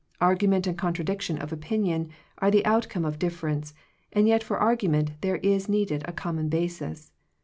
Argument and contradiction of opinion are the outcome of difference, and yet for argument there is needed a common basis.